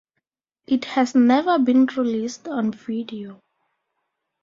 It has never been released on video.